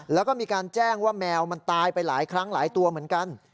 แล้วก็มีการแจ้งว่าแมวมันตายไปหลายครั้งหลายตัวเหมือนกัน